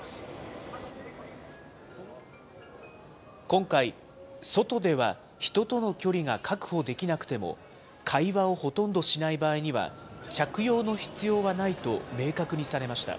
今回、外では人との距離が確保できなくても、会話をほとんどしない場合には、着用の必要はないと明確にされました。